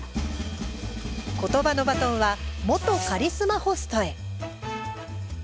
言葉のバトンは元カリスマホストへ。